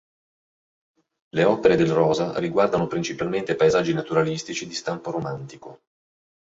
Le opere del Rosa riguardano principalmente paesaggi naturalistici, di stampo romantico.